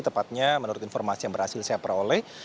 tepatnya menurut informasi yang berhasil saya peroleh